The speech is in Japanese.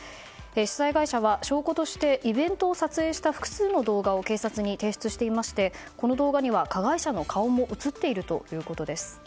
主催会社は証拠としてイベントを撮影した複数の動画を警察に提出していましてこの動画には加害者の顔も映っているということです。